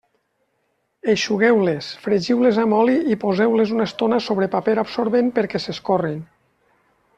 Eixugueu-les, fregiu-les amb oli i poseu-les una estona sobre paper absorbent perquè s'escorrin.